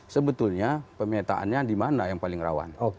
sebetulnya pemintaannya dimana yang paling rawan